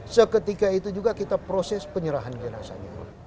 seketika itu juga kita proses penyerahan jenazahnya